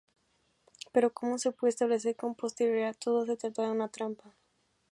Pero como se pudo establecer con posterioridad, todo se trataba de una trampa.